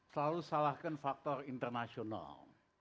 selalu salahkan faktor internasional